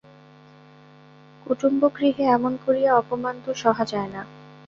কুটুম্বগৃহে এমন করিয়া অপমান তো সহা যায় না।